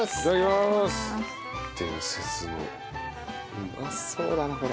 うまそうだなこれ。